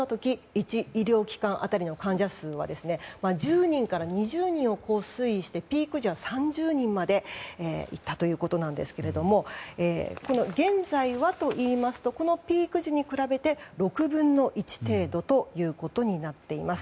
１医療機関辺りの患者数は１０人から２０人を推移して、ピーク時は３０人まで行ったということなんですが現在はと言いますとこのピーク時に比べて６分の１程度ということになっています。